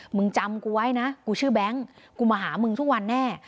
มึงจำกูไว้นะกูชื่อแบงค์กูมาหามึงทุกวันแน่